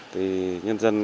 thì nhân dân